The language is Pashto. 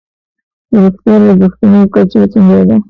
د روغتیايي لګښتونو کچه څومره ده؟